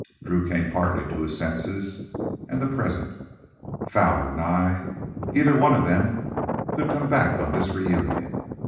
Drew came partly to his senses and the present. Fowler ... Nye ... either one of them could come back on this reunion.